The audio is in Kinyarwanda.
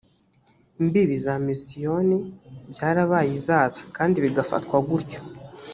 mbibi za misiyoni byarabaye i zaza kandi bigafatwa gutyo